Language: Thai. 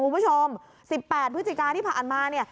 คุณผู้ชม๑๘พฤศจิกาที่ผ่านมาเนี่ย